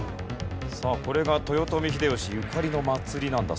さあこれが豊臣秀吉ゆかりの祭りなんだそうですね。